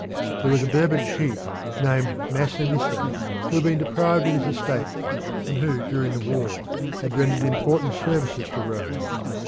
There was a Berber chief named Masinissa who had been deprived of his estates, and who during the war had rendered important services to Rome.